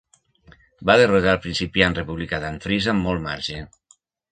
Va derrotar al principiant republicà Dan Frisa amb molt marge.